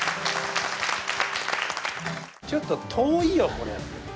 ちょっと遠いよこれ。